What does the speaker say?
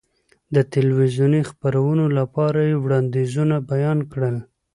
د تلویزیوني خپرونو لپاره یې وړاندیزونه بیان کړل.